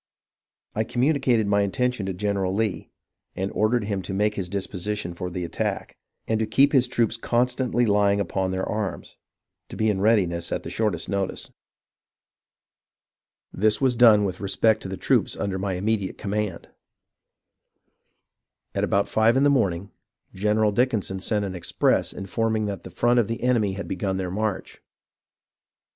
I communicated my intention to General Lee, and ordered him to make his dis position for the attack, and to keep his troops constantly lying upon their arms, to be in readiness at the shortest notice. This 238 HISTORY OF THE AMERICAN REVOLUTION was done with respect to the troops under my immediate command. About five in the morning, General Dickinson sent an express informing that the front of the enemy had begun their march.